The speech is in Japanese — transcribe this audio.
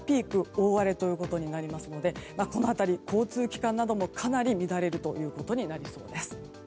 大荒れとなりますのでこの辺り交通機関などもかなり乱れるということになりそうです。